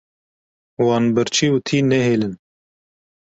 Wan birçî û tî nehêlin.